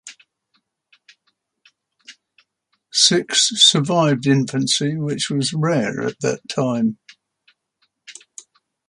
Six survived infancy, which was rare at that time.